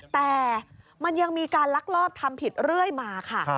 แต่มันยังมีการลักลอบทำผิดเรื่อยมาค่ะ